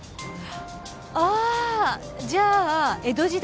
あじゃあ江戸時代の人？